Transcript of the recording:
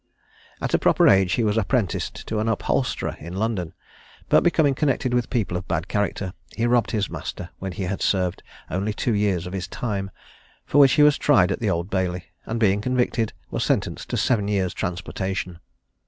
At a proper age he was apprenticed to an upholsterer in London; but, becoming connected with people of bad character, he robbed his master when he had served only two years of his time, for which he was tried at the Old Bailey, and, being convicted, was sentenced to seven years' transportation.